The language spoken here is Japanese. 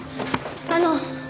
あの！